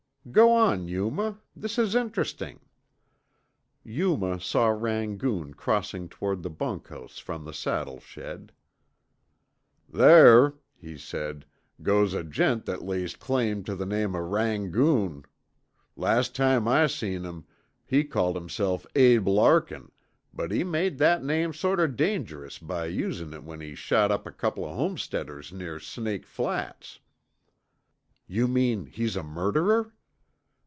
"Go on, Yuma. This is interesting." Yuma saw Rangoon crossing toward the bunkhouse from the saddle shed. "Thar," he said, "goes a gent that lays claim tuh the name o' Rangoon. Last time I seen him, he called himself Abe Larkin, but he made that name sort o' dangerous by usin' it when he shot up a couple homesteaders near Snake Flats." "You mean he's a murderer?"